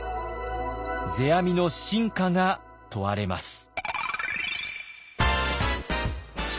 世阿弥の真価が問われます。